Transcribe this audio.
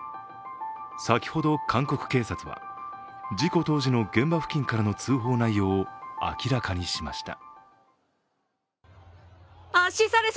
先ほど韓国警察は事故当時の現場付近からの通報内容を明らかにしました。